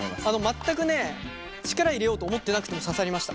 全く力を入れようと思ってなくても刺さりました。